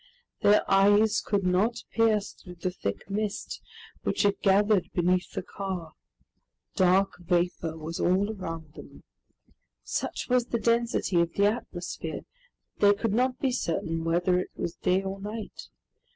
Their eyes could not pierce through the thick mist which had gathered beneath the car. Dark vapor was all around them. Such was the density of the atmosphere that they could not be certain whether it was day or night.